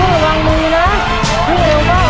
ระวังมือกันด้วยนะ